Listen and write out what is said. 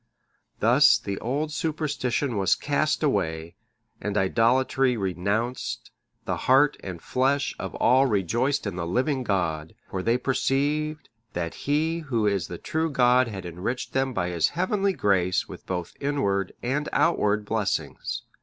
Thus the old superstition was cast away, and idolatry renounced, the heart and flesh of all rejoiced in the living God, for they perceived that He Who is the true God had enriched them by His heavenly grace with both inward and outward blessings.